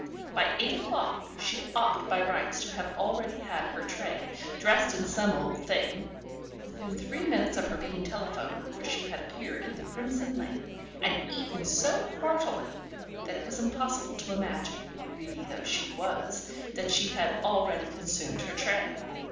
By eight o'clock she ought by rights to have already had her tray, dressed in some old thing; but within three minutes of her being telephoned for she had appeared in the crimson lake, and eaten so heartily that it was impossible to imagine, greedy though she was, that she had already consumed her tray.